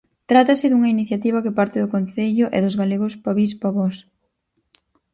Trátase dunha iniciativa que parte do Concello e dos galegos Pavís Pavós.